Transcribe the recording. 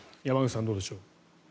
山口さん、どうでしょう。